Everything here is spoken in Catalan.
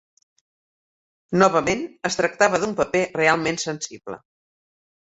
Novament, es tractava d'un paper realment sensible.